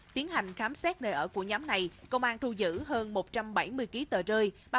tiến hành khám xét nơi ở của nhóm này công an thu giữ hơn một trăm bảy mươi kg tờ rơi